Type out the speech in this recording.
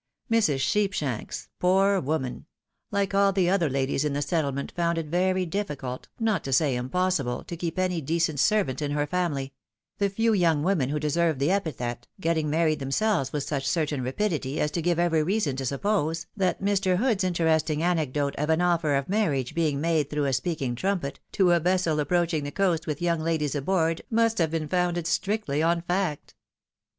Mrs. Sheepshanks, poor woman ! like all the other ladies in the settlement, found it very difficult, not to say impossible, to NTJKSERY ATPArRS. 3 keep any decent servant in her family ; the few young women who deserved the epithet, getting married themselves with such certain rapidity, as to give every reason to suppose that Mr. Hood's interesting anecdote of an offer of marriage being made through a speaking trumpet, to a vessel approaching the coast with young ladies aboard, must have been founded strictly on fact.